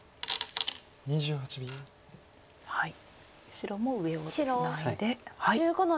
白も上をツナいで。